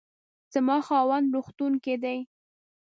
زما خاوند روغتون کې دی